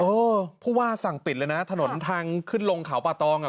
เออเพราะว่าสั่งปิดเลยนะถนนทางขึ้นลงขาวปะตองอ่ะ